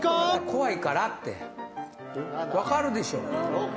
怖いからってわかるでしょ